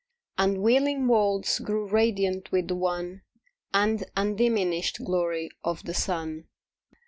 And wheeling worlds grew radiant with the one And undiminished glory of the sun.